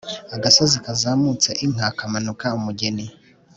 agasozi kazamutse inka kamanuka umugeni